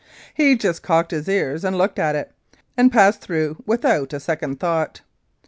He just cocked his ears and looked at it, and passed through without a second thought.